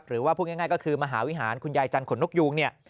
หรือว่าพูดง่ายก็คือมหาวิหารคุณยายจันทร์ขนนกยูง